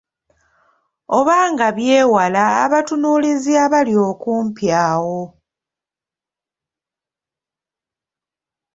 Oba nga byewala abatunuulizi abali okumpi awo.